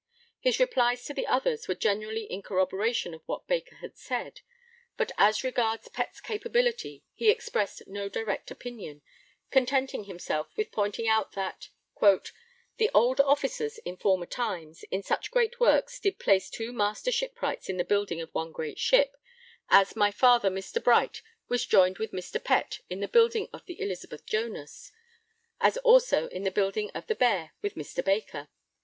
His replies to the others were generally in corroboration of what Baker had said, but as regards Pett's capability he expressed no direct opinion, contenting himself with pointing out that the old Officers, in former times, in such great works did place two Master Shipwrights in the building of one great ship, as my father Mr. Bright was joined with Mr. Pett in the building of the Elizabeth Jonas, as also in the building of the Bear with Mr. Baker.